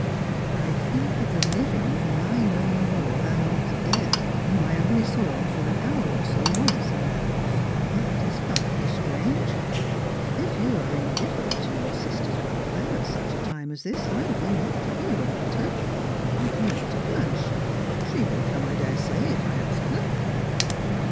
" I think of the living whom i know more than of the dead whom I only saw for an hour or so once in my life ; that is hardly strange. If you are indifi'erent to your sister's welfare at such a time as this, I will not trouble you about her. I can write to Blanche; she will come, I daresay, if I ask her."